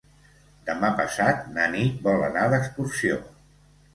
Demà passat na Nit vol anar d'excursió.